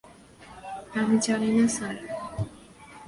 আমি জানি না স্যার!